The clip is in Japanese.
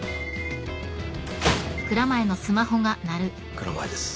蔵前です。